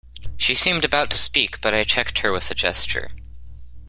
She seemed about to speak, but I checked her with a gesture.